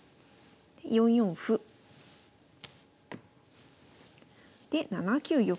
で４四歩。で７九玉。